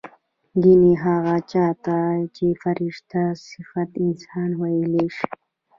ګنې هغه چا ته چې فرشته صفت انسان وييلی شي